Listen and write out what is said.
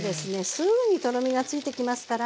すぐにとろみがついてきますから。